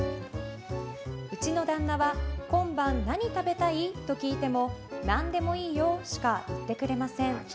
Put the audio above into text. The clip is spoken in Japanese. うちの旦那は今晩何食べたいと聞いても何でもいいよしか言ってくれません。